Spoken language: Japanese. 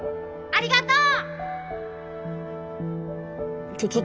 ありがとう。